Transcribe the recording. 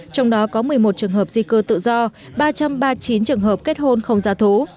trong đó có một mươi một trường hợp di cư tự do ba trăm ba mươi chín trường hợp kết hôn không giá thú